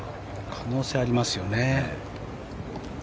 可能性ありますよね。